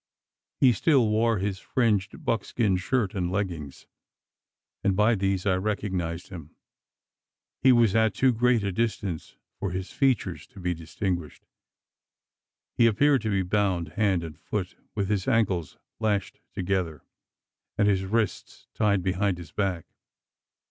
He still wore his fringed buckskin shirt and leggings; and by these I recognised him. He was at too great a distance for his features to be distinguished. He appeared to be bound hand and foot with his ankles lashed together, and his wrists tied behind his back.